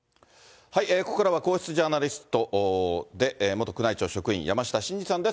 ここからは皇室ジャーナリストで元宮内庁職員、山下晋司さんです。